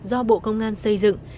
do bộ công an xây dựng